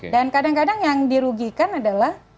dan kadang kadang yang dirugikan adalah